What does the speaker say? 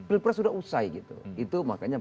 pilpres sudah usai gitu itu makanya